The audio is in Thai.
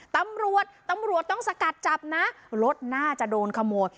ตำรวจตำรวจต้องสกัดจับนะรถน่าจะโดนขโมย